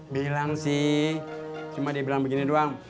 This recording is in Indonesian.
bilang sih cuma dia bilang begini doang